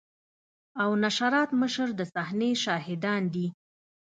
او نشراتو مشر د صحنې شاهدان دي.